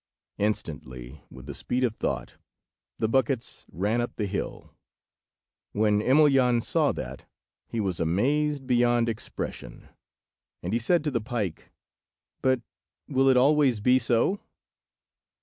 Instantly, with the speed of thought, the buckets ran up the hill. When Emelyan saw that, he was amazed beyond expression, and he said to the pike— "But will it always be so?"